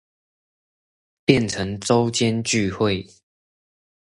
變成週間聚會